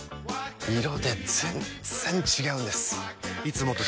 色で全然違うんです！